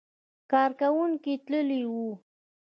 کارکوونکي یې تللي وو.